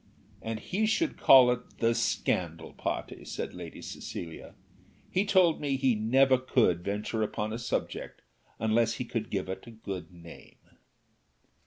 "And he should call it 'The scandal party,'" said Lady Cecilia. "He told me he never could venture upon a subject unless he could give it a good name."